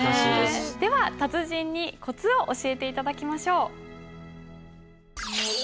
では達人にコツを教えて頂きましょう。